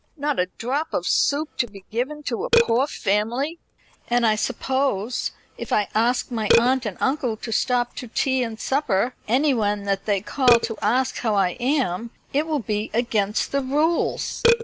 Not a drop of soup to be given to a poor family; and I suppose, if I ask my aunt and uncle to stop to tea and supper, anywhen that they call to ask how I am, it will be against the rules."